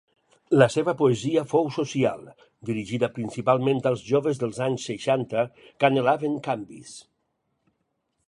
La seva poesia fou social, dirigida principalment als joves dels anys seixanta, que anhelaven canvis.